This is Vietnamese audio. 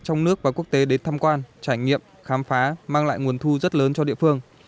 trong nước và quốc tế đến tham quan trải nghiệm khám phá mang lại nguồn thu rất lớn cho địa phương